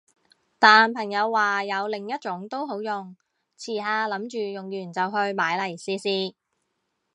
但朋友話有另一種都好用，遲下諗住用完就去買嚟試試